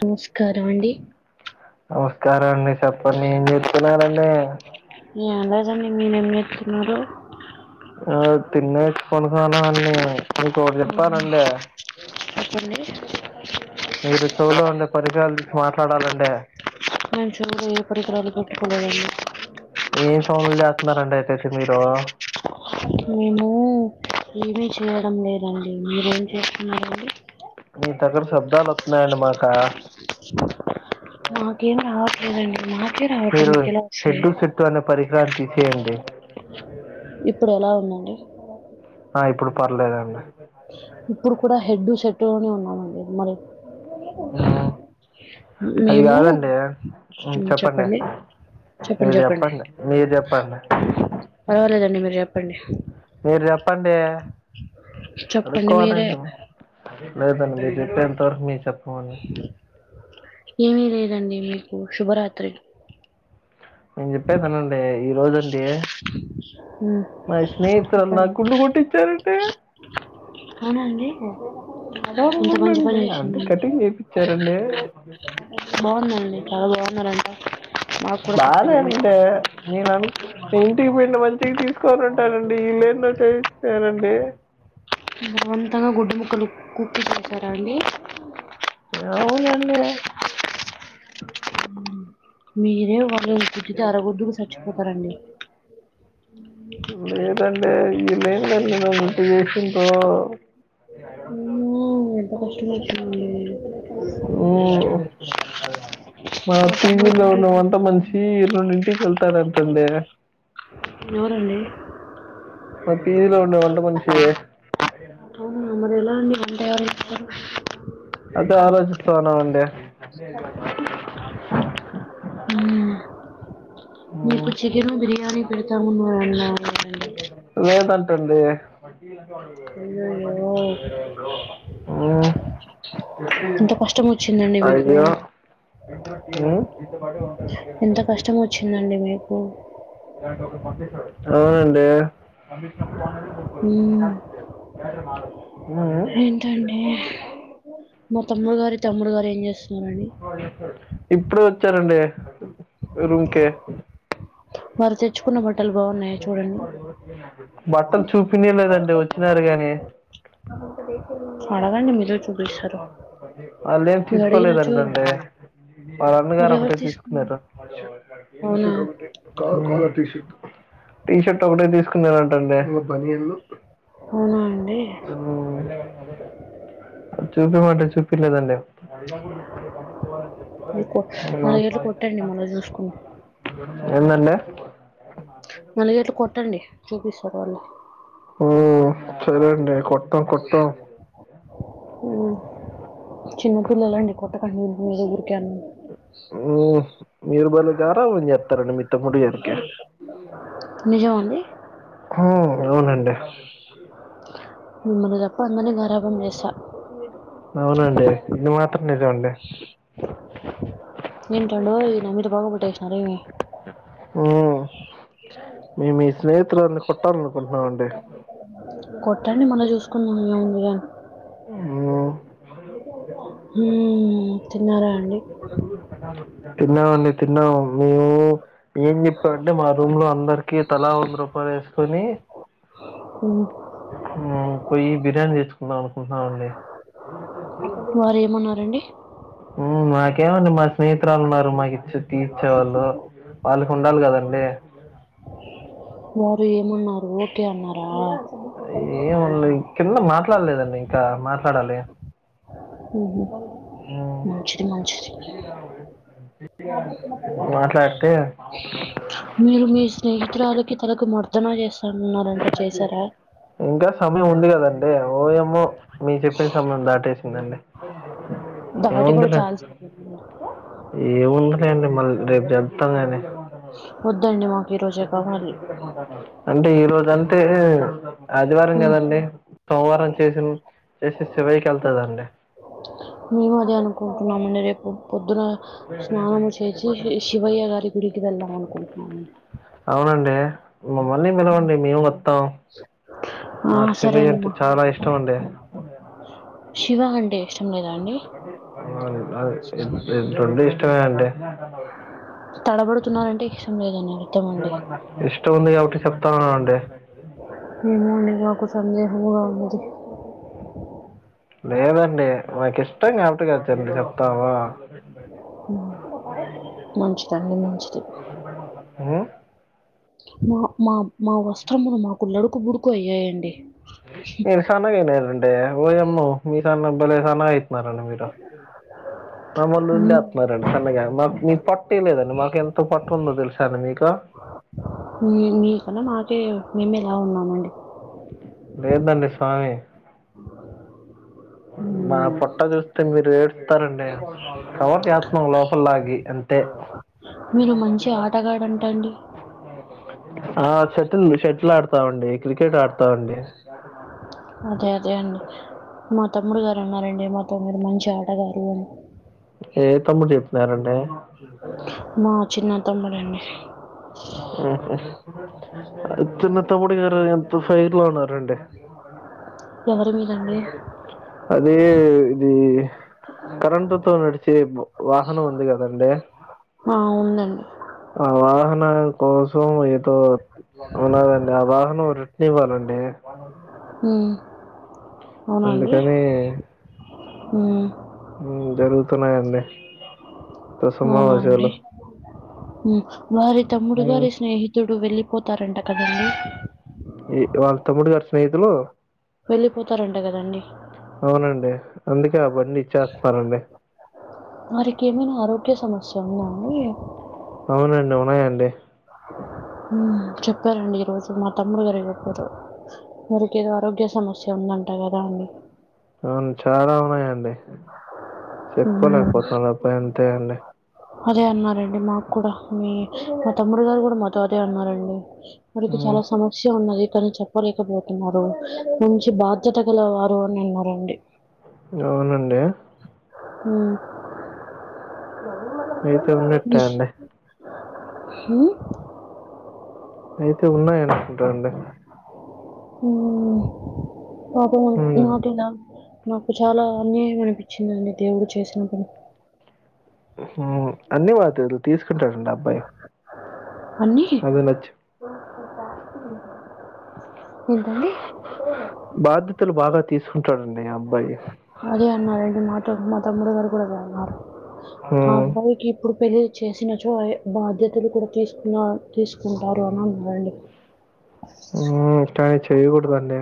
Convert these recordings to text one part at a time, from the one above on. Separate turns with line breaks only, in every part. నమస్కారం అండి.
నమస్కారం అండి చెప్పండి ఏం జేప్తున్నారండి.
యమ్ లేదండి మీరేం ఎంతున్నారు.
ఆ తినేచ్చ పనుకున్నాన్ అన్నీ
హవునా అపునే
మీరు చెవులో ఉండే పరికరాలు దిస్ మాట్లాడాలండే
మంచిగో ఏ పరికరాలకో
ఏం సౌండ్లు చేస్తున్నారండి అయితేయితే మీరు
మేము ఏమీ చేయడం లేదండి, మీరేం చేసున్నారండి.
మీ దగ్గర శబ్దాలు వస్తున్నాయండి మాకా
నాకేం రావట్లేదండి మాకే రావటం
మీరు
మీకు ఎలా వస్తాయ్.
హెడ్డు సెట్టు అనే పరికరాన్ని తీసేయండి
ఇప్పుడు ఎలా ఉందండి.
ఆ ఇప్పుడు పర్లేదండి.
ఇప్పుడు కూడా హెడ్డు సెట్ లోనే ఉన్నామండి మరి
మ్మ్ అది
మేము
కాదండి
ఉహ్ చెప్పండి చెప్పండి
మీరు
చెప్పండి
మీరు చెప్పండి
పర్వలేదండి మీరు చెప్పండి.
మీరు జేప్పండి
చెప్పండి మీరే
అడుక్కోవాలేంటో లేదండి మీరు జేప్పేంత వరకు మీమ్ చెప్పమండి.
ఏమీ లేదండి మీకు శుభరాత్రిలు.
నీన్ జేప్పేదా అన్నన్ అంటే ఈ రోజండి
ఉమ్,
మా స్నేహితురాలు నా గుండు కొట్టిచ్చారండి.
అవునండే
సగం
ఇంత మంచి
గుండండి
పని
అంటే
చేసిందడి
కటింగ్ చేపిచ్చారండి
బావుందండి చాలా బావున్నారంటా.
బానే ఉండే నేను అన్ ఇంటికి బోయినా మంచిగా దిసుకొన్ ఉంటానండి వీళ్ళు ఏదో చేస్తనండి
బలవంతంగా గుడ్డు ముక్కలు కుక్ జేసారండి.
ఇగా అవునడే
ఉహ్ మీరే వాళ్ళన్ గుదితే అరగుద్దుకు సచ్చిపోతారండి.
ఇప్పుడు ఏదండే ఈల్ లేందండి నువ్ ఇటా జీచిండ్రో. అంట రాయవాడ
అమ్మో,
[unintelligible]
ఎంత కష్టమొచ్చింది
మ్మ్ మా పీజీలో ఉన్న వంట మనిషి రెండింటికి వెళ్తారంటండి
ఎవరండీ
మా పీజీలో ఉండే వంట మనిషి
అవునా మరి ఎలా అండి వంట ఎవరు చేస్తరు
అదే ఆలోచిస్తానా అండి
మ్మ్. మీకు
మ్మ్
చికెన్ బిర్యానీ పెడతామున్నండి
లేదంటండి
అయ్యయ్యో ఇంత కష్టం వచ్చిందండి మీకు
అయ్యో ఊ
ఎంత కష్టం వచ్చిందండి మీకు
అవునండి కంీషన్ప్పుడు
మ్మ్.
చ వే మా ఉ
ఏంటండి
ఉ
మా తమ్ముడు గారి తమ్ముడు గారు ఏం చేస్తున్నారండి
ఇప్పుడే వచ్చారండి రూమ్కే
వారు తెచ్చుకున్న బట్టలు బాగున్నాయా చూడండి
బట్టలు చూపించ లేదండి వచ్చినారు కాగాని
అడగండి మీరు చూపిస్తారు
ఇ వాళ్ళు ఏం
మీరు అడిగినచో
తీసుకోలేదంట అండి వాళ్ళ
మరి
అన్నగారు
ఎవరు
ఒకటే
తీసుకున్నారు
తీసుకున్నారట గ్రీన్
అవునా
షర్ట్ ఒకటే టీ షర్ట్ ఒకటే తీసుకున్నానంరాట అండి
అవునా అండి
ఉం చూపియమంటే చూపిలేదండి
ఇది కొ-
ఉం
నాలుగేళ్ళు కొట్టండి మళ్ళీ చూసుకుని
ఎందండి
నాలుగిట్ల కొట్టండి చూపిస్తారు వాళ్ళే
ఓ సరే అండి కొత్తాం కొత్తాం
మ్మ్. చిన్నపిల్లలండి కొట్టకండి నేనేదో ఊరికే అన్నాను
ఉమ్ మీరు భలే గారాబం చేస్తారండి మీ తమ్ముడి గారికే
నిజమా అండి
హ అవునండి
మీమ్ము చెప్పంగానే గారభం చేస్తా
అవునుండి ఇది మాత్రం నిజం లే
ఏంటడో నా మీద పగ పగ పట్టేసినారే
హ మే మీ స్నేహితులనీ కొట్టాలనుకుంటున్నామండి
కొట్టండి మళ చూసుకుందాం ఉందిగా
ఉమ్
హ తిన్నారా అండి
తిన్నామండి తిన్నాము మేము ఏం చెప్పడుంటే మా రూమ్ లో అందరికి తలా వంద రూపాయలు వేసుకొని
ఉ
పోయి బిర్యానీ తెచ్చుకుందాం అనుకుంటున్నాండి
వారు ఏమన్నారండి
[unintelligible] నాకేమండి మా స్నేహితురాలు ఉన్నారు మాకు ఇచ్చ తీర్చ్చేవాళ్ళు వాళ్ళకి ఉండాలి కదండి
వారు ఏమన్నారు ఓకే అన్నారా
ఏమో కింద మాట్లాడలేదండి ఇంకా మాట్లాడాలి
ఊహూ మంచిది మంచిది
మాట్లాడితే
మీరు మీ స్నేహితురాలకి తలకు మర్దన చేస్త
అది ఇంకా సమయం ఉంది కదండి ఓయమ్మో మీరు చెప్పిన సమయం దాటేసిందండి ఏ
దాటి కూడా
ఉందిలె
చాలా సేపు అయింది.
ఏముందిలేండి మళ్ళీ రేపు చెప్తాం కానీ
వద్దండి మాకు ఈ రోజే కావాలి
అంటే ఈ రోజు అంతే ఆదివారం
మ్మ్.
కదండి సోమవారం చేసిన చేసి శివయ్య కి వెళ్తదండి
మేము అదే అనుకుంటున్నామండి రేపు పొద్దున స్నానము చేసి శివయ్య గారి గుడికి వెళ్దాం అనుకుంటున్నామండి
అవునండి మమ్మల్ని పిలవండి మేము వత్తాం
ఆ,
నాకు
సరే
శివయ్య
అండి
అంటే
మా
చాలా ఇష్టం అండి
శివ అంటే ఇష్టం లేదా అండి
అ అ [unintelligible] ఇష్టంమే అండి
తడబడుతున్నారంటే ఇష్టం లేదన్నారు
ఇష్టం ఉంది కాబట్టి చెప్తాను అన్నానండి
ఏమో అండి మాకు సందేహం గా ఉంది
లేదండి మాకు ఇష్టం కాబట్టి గా చెప్తాము
మంచిది అండి మంచిది
హ్మ్
మా మా మా వస్త్రములు మాకు లొడుకు బుడుకు అయ్యాయండి
నేను సన్నగయినానండి ఓయమ్మో మీ [unintelligible] మీరు మమ్మల్ళ
మ్మ్.
ఉళ్ళేస్తున్నారండి సన్నగా [unintelligible] పట్టే లేదండి మాకు ఎంతో పట్టు ఉందో తెలుసాను మీకు
మీ మీ కన్నా నాకే మేమే లావు ఉన్నామండి
లేదండి స్వామి నా
మ్మ్.
పొట్ట చూస్తే మీరు ఏడుస్తారండి కవర్ చేత్తన్నాం లోపల్లాగి అంతే
మీరు మంచి ఆటగాడంట అండి
ఆ షటిల్ షటిల్ ఆడతామండి క్రికెట్ ఆడతావండి
అదే అదే అండి మా తమ్ముడు గారు అన్నారండి మా తమ్ముడు మంచి ఆటగారు అని
ఏ తమ్ముడు చెప్తున్నారండి
మా చిన్న తమ్ముడండి
ఆ చిన్న తమ్ముడు గారు ఎంతో ఫైర్లో ఉన్నారండి
ఎవరి మీద అండి
అదే ఇది కరెంటు తో నడు చేబ్ వాహనం ఉంది కదండి
ఆ, ఉందండి
ఆ వాహనాల కోసం ఏదో అవునా అండి ఆ వాహనం రిట్ను ఇవ్వాలండి
మ్మ్ అవునా అండి
అందుకని మ్మ్ జరుగుతున్నాయండి
అవునా అండి
తసమావశాలు
మ్మ్ వారి తమ్ముడు గారి స్నేహి తుడు వెళ్ళిపోతారంట కదండీ
ఏం వాళ్ళ తమ్ముడు గారు స్నేహితులు
వెళ్ళిపోతారంట కదండి
అవునండి అందుకే అవన్నీ ఇచ్చేస్తున్నారండి
వారికి ఏమైనా ఆరోగ్య సమస్య ఉందా అండి
అవునండి ఉన్నాయండి
మ్మ్ చెప్పారండి ఈరోజు మా తమ్ముడు గారు ఎవరికో చె వారికి ఏదో ఆరోగ్య సమస్య ఉందంటా కదా అండి
అవును చాలా ఉన్నాయండి
ఉమ్,
చెప్పుకోలేకపోతున్నా అబ్బా అంతే అండి
అదే అన్నారండి మాకు కూడా మా తమ్ముడు గారు కూడా మాతో అదే అన్నారండి. వాళ్ళకి
హ్మ్.
చాలా సమయం షో ఉన్నది కానీ చెప్పలేకపోతున్నారు మంచి బాధ్యత గలవారు అని అన్నారండి.
అవునండి
మ్మ్
అయితే ఉన్నట్టే అండి
అవును
అయితే ఉన్నాయి అనుకుంటా అండి
మ్మ్ పాపము
హ్మ్.
నాకేల నాకు చాలా అన్యాయం అనిపించిందండి దేవుడు చేసిన పని
అన్ని బాధ్యతలు తీసుకుంటాడండి అబ్బాయి
అన్నీ
అది నచ్చి
ఏంటండి
బాధ్యతలు బాగా తీసుకుంటాడండి ఆ అబ్బాయి
అదే అన్నారండి మా తోటి మా తమ్ముడు గారు కూడా అదే అన్నారు ఆ
హవును
అబ్బాయికి ఇప్పుడు పెళ్ళి చేసినచో అయే బాధ్యతలు కూడా తీసుకున్న తీసుకుంటారు అని అన్నారండి హస్
కాని చేయకూడదండి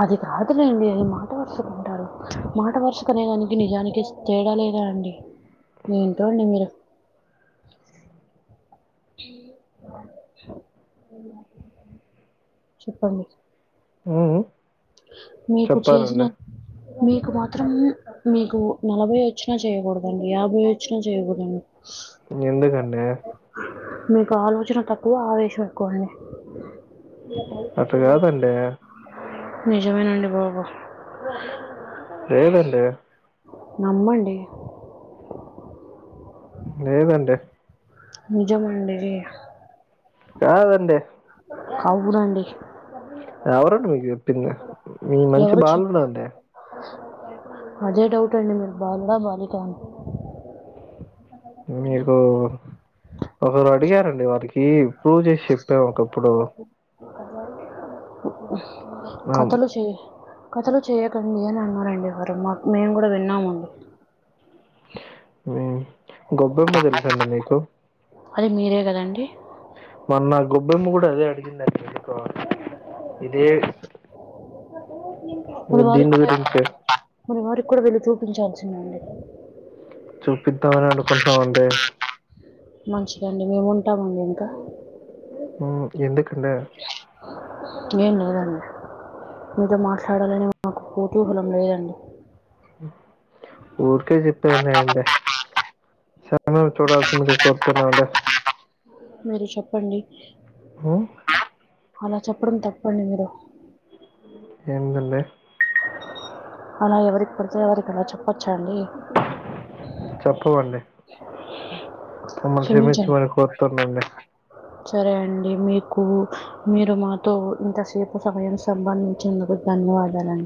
అది కాదులేండి ఆయన మాట వరసకి అంటారు మాట వరుసకు అనేదానికి నిజానికి తేడా లేదా అండి ఏంటో అండి మీరు. చెప్పండి
అవును
మీకు చేసిన మీకు మాత్రం మీకు నలభై వచ్చినా చేయ్యకూడదండి యాభై వచ్చినా చేయకూడదండి
ఎందుకండే
మీకు ఆలోచన తక్కువ ఆవేశం ఎక్కువ అనే
అట్ట కాదండే
నిజమేనండి బాబు
లేేదండే
నమ్మండి
లేేదండే
నిజమండి ఇది
కాదండి!
కవ్వురండి.
ఎవురండి మీకు యెప్పింది? మీ మంచి
ఎవరు చెప్ప
బాలుడండి.
అదే డౌట్ అండి, మీరు బాలుడా బాలికా అని.
మీకు ఒకరు అడిగారండి, వారికి ప్రూవ్ జేశ్ చెప్పాం ఒకప్పుడు. మేం
కథలు సే కథలు చేయకండి అని అన్నారండి, ఎవరో మాక్. మేము గుడ విన్నామండి.
ఉం గొబ్బెమ్మ దెల్సాండి మీకు?
అద్ మీరే గదండి?
మొన్న గొబ్బెమ్మ గుడా అదే అడిగిందండి, ఎందుకో ఇదే.
మీ వారు
దీని
[inaudible]
గురించే.
మరి వారిక్ కూడ వెళ్లి చూపించాల్సిదండి.
చూపిద్దామనే అనుకుంట్నామండి.
మంచిదండి, మేము ఉంటామండి ఇంకా.
మా ఎందుకండే!
ఏం లేదన్ మీతో మాట్లాడాలని, మాకు కుతూహలం లేదండి.
ఊరికే జెప్పాం లేండి. చాన రోజ్ చూడాల్సిందిగా కోరుతున్నా అండి.
మీరు చెప్పండి
వన్
అలా చెప్పడం తప్పండి మీరు
ఏందండి
అలా ఎవరిక్ పడితే వారిక్ అలా చెప్పొచ్చా అండి
చెప్పు అండి
క్షమించండ్
క్షమించమని కోరుతున్నానండి.
సరే అండి మీకు మీరు మాతో ఇంతసేపు సమయం సంబంధించినదుక్ ధన్యవాదాలండి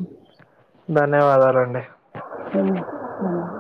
ధన్యవాదాలండి
ఎం [unintelligible]